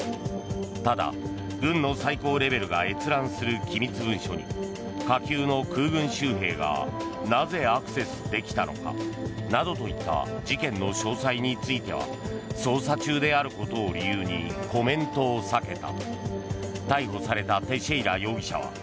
ただ、軍の最高レベルが閲覧する機密文書に下級の空軍州兵がなぜアクセスできたのかなどといった事件の詳細については捜査中であることを理由にコメントを避けた。